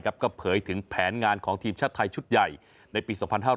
ก็เผยถึงแผนงานของทีมชาติไทยชุดใหญ่ในปี๒๕๕๙